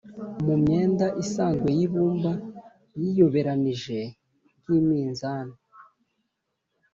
mu myenda isanzwe y'ibumba yiyoberanije nk'iminzani,